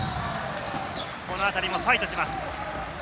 このあたりもファイトします。